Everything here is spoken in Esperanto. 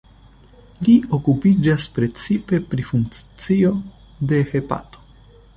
Li okupiĝas precipe pri funkcio de hepato.